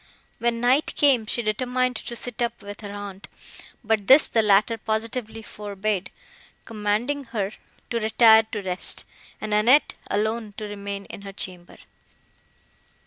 When night came, she determined to sit up with her aunt, but this the latter positively forbade, commanding her to retire to rest, and Annette alone to remain in her chamber.